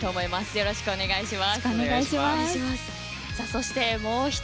よろしくお願いします。